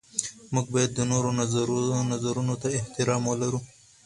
موږ باید د نورو نظرونو ته احترام ولرو.